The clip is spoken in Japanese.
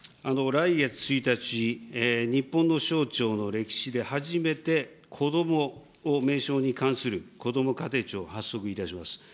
来月１日、日本の省庁の歴史で初めて、こどもを名称に冠するこども家庭庁、発足いたします。